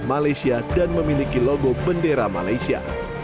malaysia dan memiliki logo bendera malaysia